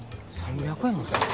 ３００円もする。